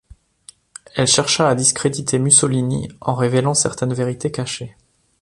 Elle chercha à discréditer Mussolini en révélant certaines vérités cachées.